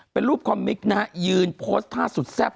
เป็นรูปคอมมิกนะฮะยืนโพสต์ท่าสุดแซ่บ